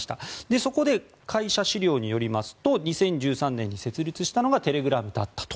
そこで会社資料によりますと２０１３年に設立したのがテレグラムだったと。